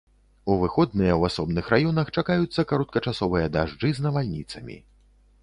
У выходныя ў асобных раёнах чакаюцца кароткачасовыя дажджы з навальніцамі.